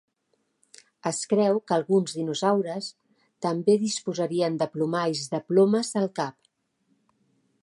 Es creu que alguns dinosaures també disposarien de plomalls de plomes al cap.